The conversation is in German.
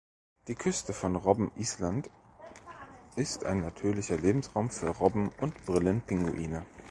Die Küste von Robben Island ist ein natürlicher Lebensraum für Robben und Brillenpinguine.